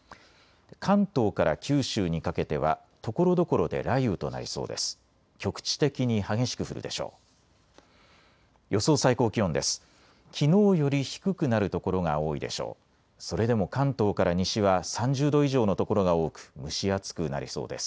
関東から九州にかけてはところどころで雷雨となりそうです。